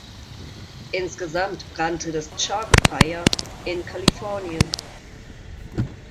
Insgesamt brannte das Chalk Fire in Kalifornien.